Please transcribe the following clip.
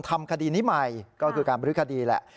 ทำคดีนี้ใหม่ก็คือการบริคดีแหละ